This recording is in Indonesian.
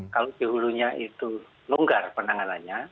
kalau di hulunya itu longgar penanganannya